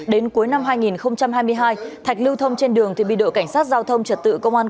đến cuối năm hai nghìn hai mươi hai thạch lưu thông trên đường thì bị đội cảnh sát giao thông trật tự công an